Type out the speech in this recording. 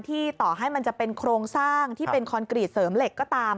ต่อให้มันจะเป็นโครงสร้างที่เป็นคอนกรีตเสริมเหล็กก็ตาม